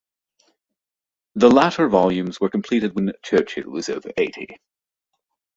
The later volumes were completed when Churchill was over eighty.